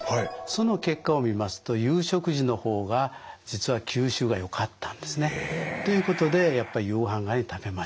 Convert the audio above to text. その結果を見ますと夕食時の方が実は吸収がよかったんですね。ということでやっぱり夕ごはん内に食べましょうということになります。